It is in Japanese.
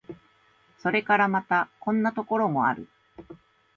それからまた、こんなところもある。